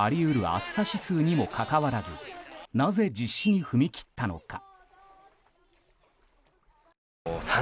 暑さ指数にもかかわらずなぜ実施に踏み切ったのか。